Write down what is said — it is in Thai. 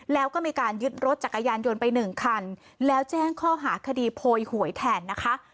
แล้วก็มีการยึดรถจักรยานยนต์ไปหนึ่งคันแล้วแจ้งข้อหาคดีโพยหวยแทนนะคะ